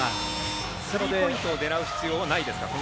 スリーポイントを狙う必要はないですか。